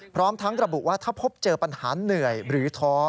พร้อมทั้งระบุว่าถ้าพบเจอปัญหาเหนื่อยหรือท้อ